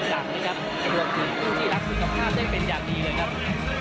ด้วยกับผู้ที่รักษีกับข้าได้เป็นอย่างดีเลยนะครับ